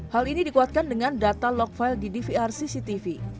hal ini dikuatkan dengan data log file di dvr cctv